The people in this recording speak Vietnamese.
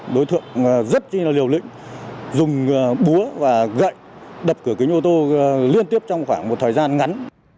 đối tượng rất là liều lĩnh dùng búa và gậy đập cửa kính ô tô liên tiếp trong khoảng một thời gian ngắn